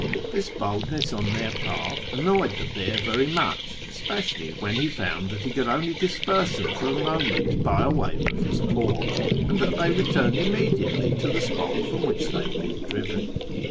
This boldness on their part annoyed the bear very much, especially when he found that he could only disperse them for a moment by a wave of his paw, and that they returned immediately to the spot from which they had been driven.